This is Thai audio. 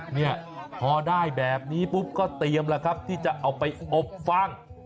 เนี่ยพอได้แบบนี้ปุ๊บก็เตรียมแล้วครับที่จะเอาไปอบฟัง